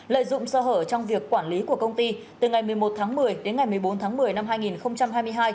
lợi dụng sơ hở trong việc quản lý của công ty từ ngày một mươi một tháng một mươi đến ngày một mươi bốn tháng một mươi năm hai nghìn hai mươi hai